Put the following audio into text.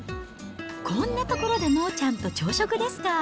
こんな所でモーちゃんと朝食ですか。